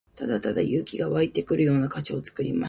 ただただ勇気が湧いてくるような歌詞を作りました。